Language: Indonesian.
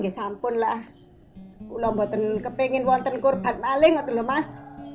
kepala orang teman